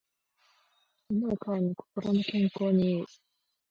犬を飼うの心の健康に良い